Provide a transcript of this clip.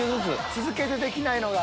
続けてできないのが。